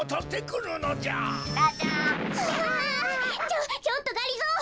ちょちょっとがりぞー